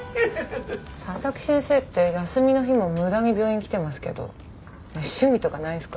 佐々木先生って休みの日も無駄に病院来てますけど趣味とかないんすか？